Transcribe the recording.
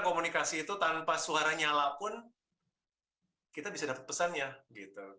komunikasi itu tanpa suara nyala pun kita bisa dapat pesannya gitu